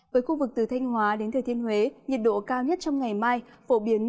với khu vực từ thanh hóa đến thừa thiên huế nhiệt độ cao nhất trong ngày mai phổ biến